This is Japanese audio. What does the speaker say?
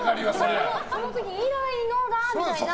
その時以来のみたいな。